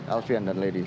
alfian dan lady